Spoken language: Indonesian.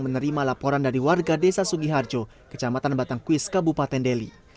menerima laporan dari warga desa sugiharjo kecamatan batangkuis kabupaten deli